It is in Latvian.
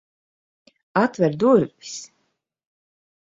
Atver durvis!